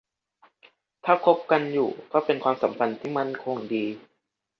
ถ้าคบกันอยู่ก็เป็นความสัมพันธ์มั่นคงดี